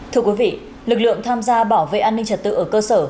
thưa quý vị lực lượng tham gia bảo vệ an ninh trật tự ở cơ sở